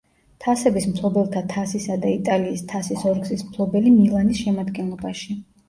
თასების მფლობელთა თასისა და იტალიის თასის ორგზის მფლობელი „მილანის“ შემადგენლობაში.